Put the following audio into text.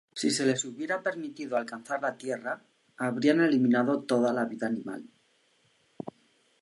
Si se les hubiera permitido alcanzar la Tierra, habrían eliminado toda la vida animal.